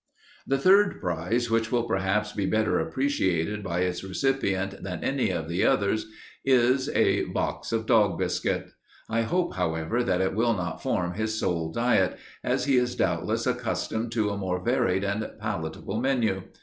"The third prize, which will perhaps be better appreciated by its recipient than any of the others, is a box of dog biscuit. I hope, however, that it will not form his sole diet, as he is doubtless accustomed to a more varied and palatable menu.